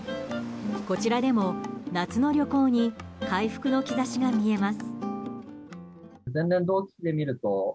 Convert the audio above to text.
こちらでも夏の旅行に回復の兆しが見えます。